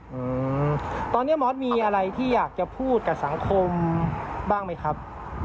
อืมตอนเนี้ยมอสมีอะไรที่อยากจะพูดกับสังคมบ้างไหมครับ